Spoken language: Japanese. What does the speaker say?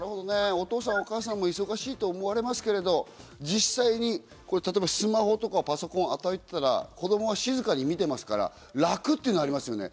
お父さん、お母さんも忙しいと思われますけど、実際にスマホとかパソコンを与えていたら子供は静かに見ていますから楽というのがありますね。